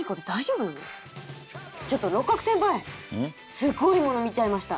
すごいもの見ちゃいました。